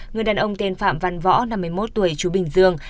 người đàn ông tên phạm văn võ năm mươi một tuổi chú bình dương